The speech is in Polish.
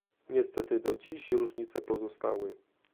Niestety do dziś różnice pozostały